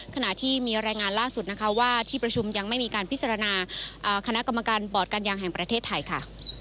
ขณะที่มีรายงานล่าสุดนะคะว่าที่ประชุมยังไม่มีการพิจารณาคณะกรรมการบอร์ดการยางแห่งประเทศไทยค่ะ